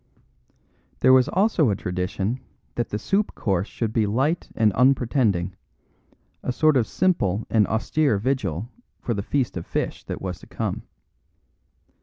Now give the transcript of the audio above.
There was also a tradition that the soup course should be light and unpretending a sort of simple and austere vigil for the feast of fish that was to come.